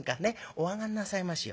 お上がんなさいましよ。